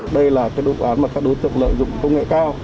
đây là cái độ án mà các đối tượng lợi dụng công nghệ cao